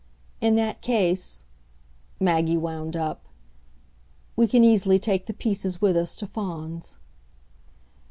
In that case," Maggie wound up, "we can easily take the pieces with us to Fawns."